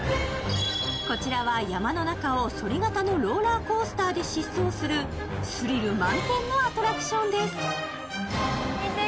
こちらは、山の中をそり型のローラーコースターで疾走するスリル満点のアトラクションです。